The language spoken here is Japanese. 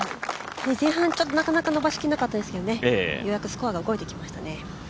前半なかなか伸ばしきらなかったですけど、ようやくスコアが動いてきましたね。